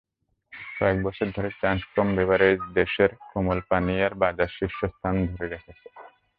কয়েক বছর ধরে ট্রান্সকম বেভারেজেস দেশের কোমল পানীয়র বাজারে শীর্ষস্থান ধরে রেখেছে।